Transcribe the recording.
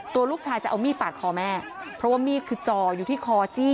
ตัวลูกชายจะเอามีดปาดคอแม่เพราะว่ามีดคือจ่ออยู่ที่คอจี้